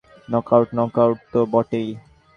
Knockout, knockout তো বটেই।